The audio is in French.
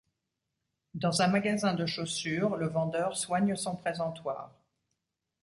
Dans un magasin de chaussures, le vendeur soigne son présentoir.